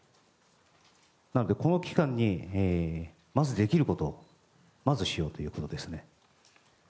なので、この期間にまずできることをまずしようということですね。